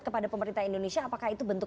kepada pemerintah indonesia apakah itu bentuk